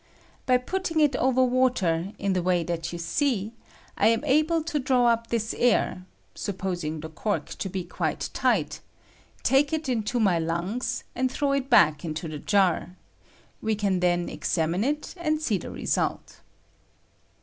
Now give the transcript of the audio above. By putting it over water, in the way that you see, I am able to draw up this air (supposing the cork to be quite tight), take it into my lungs, and throw it back into the jar: we can then examine it, and see the result.